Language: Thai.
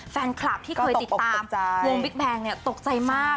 แฟนคลับที่เคยติดตามวงบิ๊กแบงค์ตกใจมาก